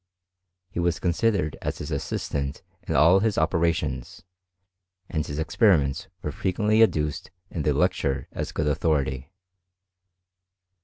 He was considered as his assist ant in all his operations, and his experiments were fre quently adduced in the lecture as good authority.